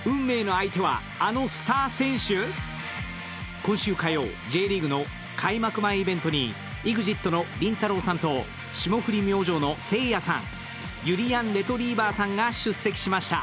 今週火曜、Ｊリーグの開幕前イベントにＥＸＩＴのりんたろーさんと霜降り明星のせいやさん、ゆりやんレトリィバァさんが出席しました。